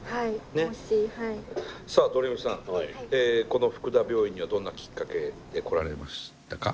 この福田病院にはどんなきっかけで来られましたか？